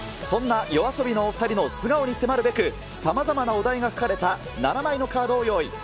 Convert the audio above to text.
そんなＹＯＡＳＯＢＩのお２人の素顔に迫るべく、さまざまなお題が書かれた７枚のカードを用意。